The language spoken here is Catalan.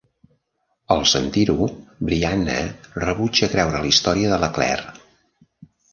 AL sentir-ho, Brianna rebutja creure la història de la Claire.